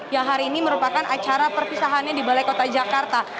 yang hari ini merupakan acara perpisahannya di balai kota jakarta